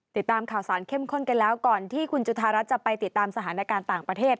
ติดตามข่าวสารเข้มข้นกันแล้วก่อนที่คุณจุธารัฐจะไปติดตามสถานการณ์ต่างประเทศ